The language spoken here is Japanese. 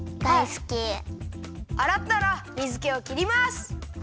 あらったら水けをきります。